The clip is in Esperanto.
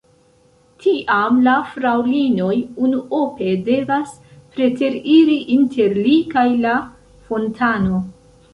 Tiam la fraŭlinoj unuope devas preteriri inter li kaj la fontano.